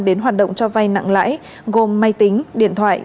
đến hoạt động cho vay nặng lãi gồm máy tính điện thoại